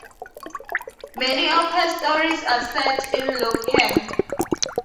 Many of her stories are set in Lukang.